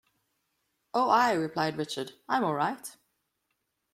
"Oh, aye," replied Richard, "I'm all right."